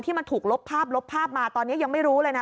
มันถูกลบภาพลบภาพมาตอนนี้ยังไม่รู้เลยนะ